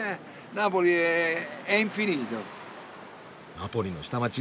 「ナポリの下町」